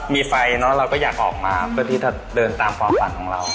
มีไฟเนอะเราก็อยากออกมาเพื่อที่จะเดินตามความฝันของเรา